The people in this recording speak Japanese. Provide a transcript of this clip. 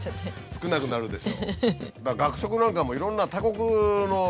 少なくなるでしょ。